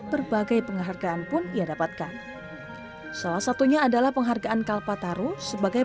berbagai penghargaan pun ia dapatkan salah satunya adalah penghargaan kalpataru sebagai